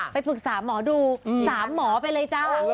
ไปฝึกศาสตร์หมอดู๓หมอไปเลยจ้า